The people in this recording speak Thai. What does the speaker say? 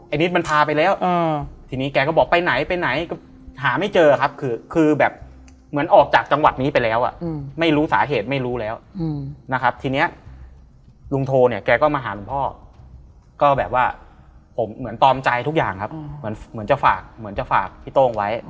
นิดมันพาไปแล้วทีนี้แกก็บอกไปไหนไปไหนก็หาไม่เจอครับคือคือแบบเหมือนออกจากจังหวัดนี้ไปแล้วอ่ะไม่รู้สาเหตุไม่รู้แล้วนะครับทีนี้ลุงโทเนี่ยแกก็มาหาหลวงพ่อก็แบบว่าผมเหมือนตอมใจทุกอย่างครับเหมือนจะฝากเหมือนจะฝากพี่โต้งไว้